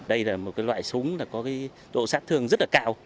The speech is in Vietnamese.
đây là một loại súng có độ sát thương rất là cao